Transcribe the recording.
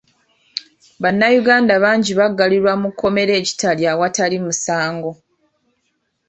Bannayuganda bangi baggalirwa mu kkomera e Kitalya awatali musango.